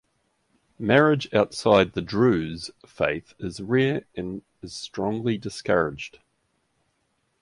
Marriage outside the Druze faith is rare and is strongly discouraged.